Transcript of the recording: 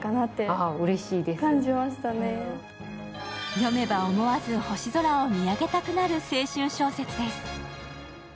読めば思わず星空を見上げたくなる青春小説です。